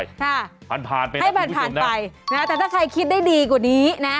ค่ะให้ผ่านไปนะคุณผู้ชมนะฮะแต่ถ้าใครคิดได้ดีกว่านี้นะ